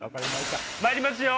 まいりますよ！